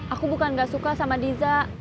aku bukan gak suka sama diza